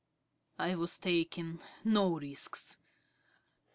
I was taking no risks.